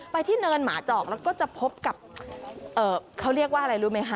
ที่เนินหมาจอกแล้วก็จะพบกับเขาเรียกว่าอะไรรู้ไหมคะ